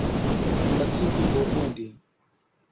لسی کی بوتلیں دی ۔